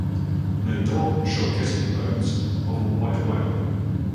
No dog shall get at the bones of a white whale.